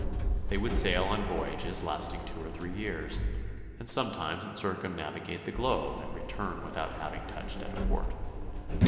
They would sail on voyages lasting two or three years, and sometimes would circumnavigate the globe and return without having touched at a port.